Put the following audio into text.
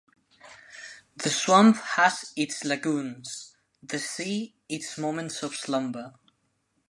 The swamp has its lagoons, the sea its moments of slumber.